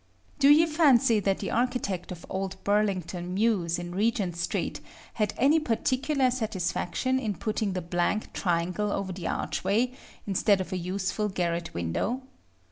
Do you fancy that the architect of old Burlington Mews, in Regent Street, had any particular satisfaction in putting the blank triangle over the archway, instead of a useful garret window?